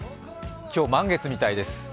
今日、満月みたいです。